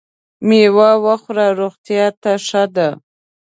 مېوه وخوره ! روغتیا ته ښه ده .